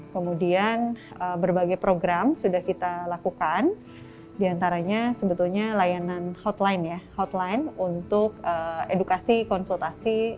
kemudian berbagai program sudah kita lakukan diantaranya layanan hotline untuk edukasi konsultasi